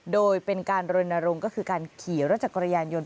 โดยเป็นการรณรงค์ก็คือการขี่รถจักรยานยนต์